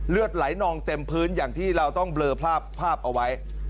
เลือดไหลนองเต็มพื้นอย่างที่เราต้องเบลอภาพเอาไว้